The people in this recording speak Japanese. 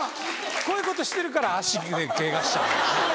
こういうことしてるから足ケガしちゃうんですね。